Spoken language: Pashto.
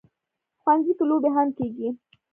ښوونځی کې لوبې هم کېږي